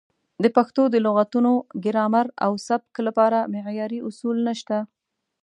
د پښتو د لغتونو، ګرامر او سبک لپاره معیاري اصول نشته.